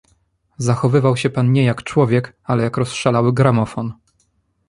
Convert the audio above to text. "Zachowywał się pan nie jak człowiek, ale jak rozszalały gramofon."